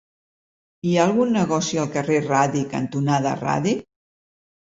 Hi ha algun negoci al carrer Radi cantonada Radi?